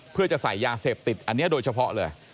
เพื่อจะใส่ยาเสพติดอันนี้โดยเฉพาะเลย